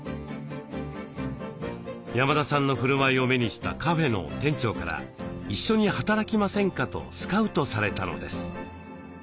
山田さんのふるまいを目にしたカフェの店長から「一緒に働きませんか」とスカウトされたのです。